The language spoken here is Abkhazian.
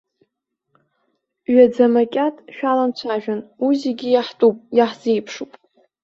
Ҩаӡамакьат шәаламцәажәан, уи зегьы иаҳтәуп, иаҳзеиԥшуп.